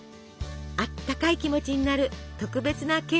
あったかい気持ちになる特別なケーキなのです。